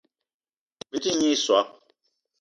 Bete nyi i soag.